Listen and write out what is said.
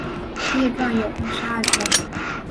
列传有二十二卷。